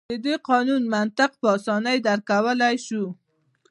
د دې قانون منطق په اسانۍ درک کولای شو.